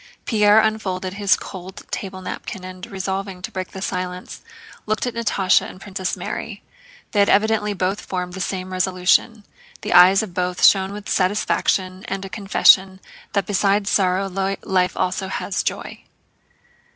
Pierre unfolded his cold table napkin and, resolving to break the silence, looked at Natásha and at Princess Mary. They had evidently both formed the same resolution; the eyes of both shone with satisfaction and a confession that besides sorrow life also has joy.